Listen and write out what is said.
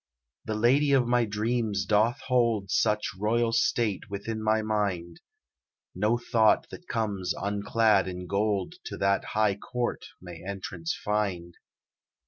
"The lady of my dreams doth hold Such royal state within my mind, No thought that comes unclad in gold To that high court may entrance find."